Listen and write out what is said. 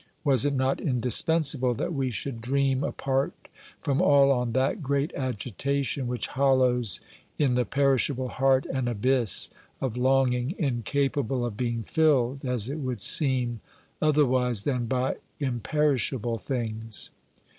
Was it not indispensable that we should dream apart from all on that great agitation which hollows in the perishable heart an abyss of longing incapable of being filled, as it would seem, otherwise than by imperish able things